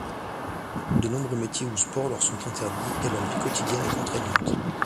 De nombreux métiers ou sports leur sont interdits et leur vie quotidienne est contraignante.